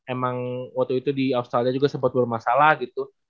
emang waktu itu di australia juga sempat bermasalah gitu